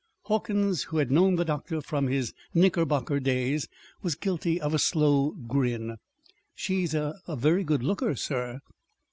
Hawkins, who had known the doctor from his Knickerbocker days, was guilty of a slow grin. "She's a a very good looker, sir."